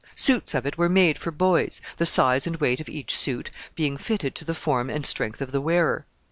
Suits of it were made for boys, the size and weight of each suit being fitted to the form and strength of the wearer.